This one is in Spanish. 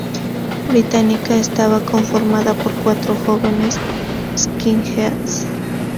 Británica, estaba conformada por cuatro jóvenes Skinheads.